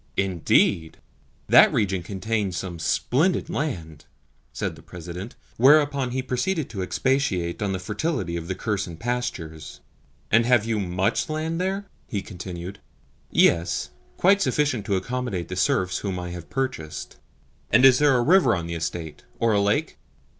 "Indeed? That region contains some splendid land," said the President; whereupon he proceeded to expatiate on the fertility of the Kherson pastures. "And have you MUCH land there?" he continued. "Yes; quite sufficient to accommodate the serfs whom I have purchased." "And is there a river on the estate or a lake?"